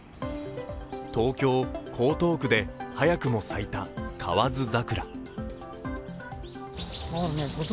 東京・江東区で早くも咲いた河津桜。